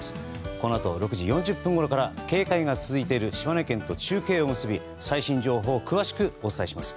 このあと６時４０分ごろから警戒が続いている島根県と中継を結び最新情報を詳しくお伝えします。